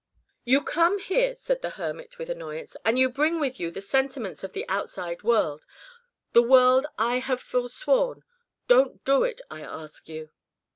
"You come here," said the hermit with annoyance, "and you bring with you the sentiments of the outside world the world I have foresworn. Don't do it. I ask you."